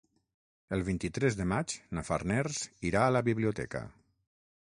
El vint-i-tres de maig na Farners irà a la biblioteca.